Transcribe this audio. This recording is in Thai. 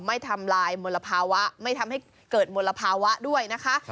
ไม่ทำลายมลภาวะไม่ทำให้เกิดมลภาวะด้วยนะคะ